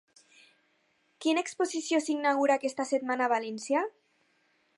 Quina exposició s'inaugura aquesta setmana a València?